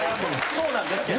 そうなんですけど。